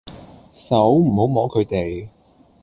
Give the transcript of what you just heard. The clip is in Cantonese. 手唔好摸佢哋